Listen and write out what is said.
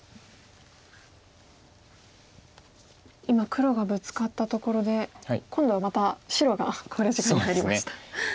今黒がブツカったところで今度はまた白が考慮時間に入りました。